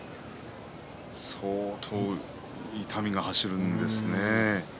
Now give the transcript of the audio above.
相当、痛みが走るんでしょうね。